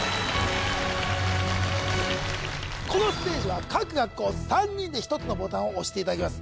このステージは各学校３人で１つのボタンを押していただきます